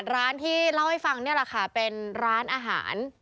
ร้านที่เล่าให้ฟังนี่แหละค่ะเป็นร้านอาหาร